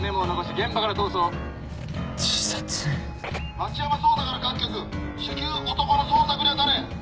町山捜査から各局至急男の捜索に当たれ。